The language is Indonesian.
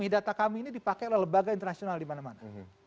data kami ini dipakai oleh lembaga internasional dimana mana